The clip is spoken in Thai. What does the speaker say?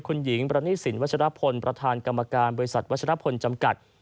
คุณหญิงประณีสินวัชรพลประธานกรรมการบริษัทวัชรพลจำกัด